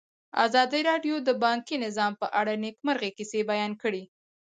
ازادي راډیو د بانکي نظام په اړه د نېکمرغۍ کیسې بیان کړې.